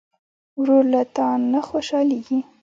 ورور له تا نه خوشحالېږي.